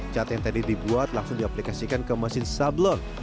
cat yang tadi dibuat langsung diaplikasikan ke mesin sablon